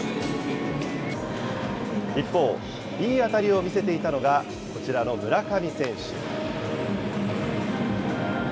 一方、いい当たりを見せていたのが、こちらの村上選手。